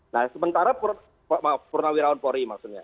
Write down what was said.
nah sementara purnawirawan polri maksudnya